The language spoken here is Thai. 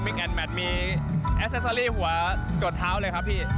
มีแอสเซสเซอรี่หัวกดเท้าเลยครับพี่